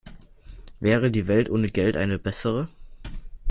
Wäre die Welt ohne Geld eine bessere?